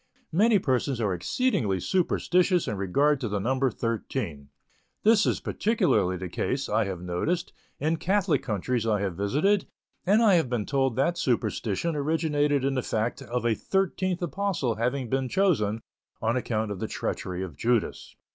Many persons are exceedingly superstitious in regard to the number "thirteen." This is particularly the case, I have noticed, in Catholic countries I have visited, and I have been told that superstition originated in the fact of a thirteenth apostle having been chosen, on account of the treachery of Judas.